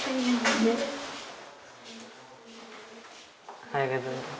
おはようございます。